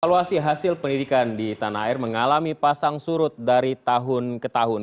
evaluasi hasil pendidikan di tanah air mengalami pasang surut dari tahun ke tahun